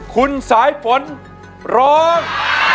คุณสายฝนร้อง